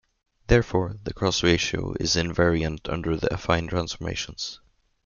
Therefore, the cross-ratio is invariant under the affine transformations.